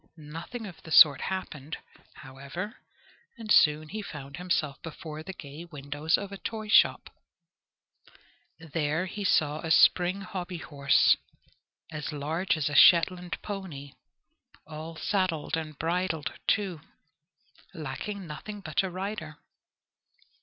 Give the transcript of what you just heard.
Nothing of the sort happened, however, and he soon found himself before the gay windows of a toyshop. There he saw a spring hobbyhorse, as large as a Shetland pony, all saddled and bridled, too lacking nothing but a rider.